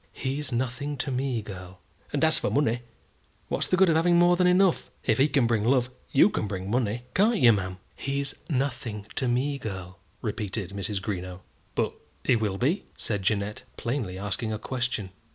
"He's nothing to me, girl." "And as for money, what's the good of having more than enough? If he can bring love, you can bring money; can't you, ma'am?" "He's nothing to me, girl," repeated Mrs. Greenow. "But he will be?" said Jeannette, plainly asking a question.